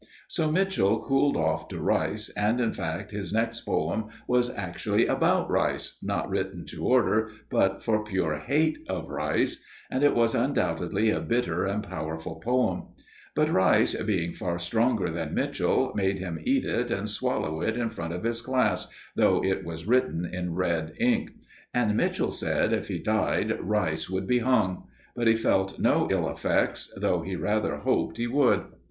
So Mitchell cooled off to Rice, and, in fact, his next poem was actually about Rice not written to order, but for pure hate of Rice and it was undoubtedly a bitter and powerful poem; but Rice, being far stronger than Mitchell, made him eat it and swallow it in front of his class, though it was written in red ink. And Mitchell said if he died, Rice would be hung. But he felt no ill effects, though he rather hoped he would.